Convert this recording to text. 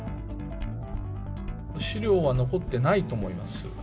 資料は残ってないと思います。